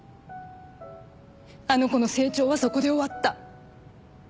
あの子の成長はそこで終わった。